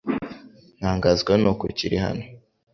Ntangazwa nuko ukiri hano .